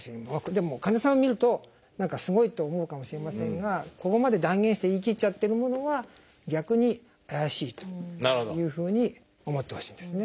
でも患者さんが見ると何かすごいって思うかもしれませんがここまで断言して言い切っちゃってるものは逆に怪しいというふうに思ってほしいですね。